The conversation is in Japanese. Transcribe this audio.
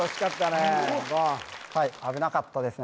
言はい危なかったですね